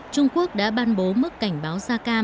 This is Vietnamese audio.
trung quốc đã ban bố mức cảnh báo sa cam tức mức cao thứ hai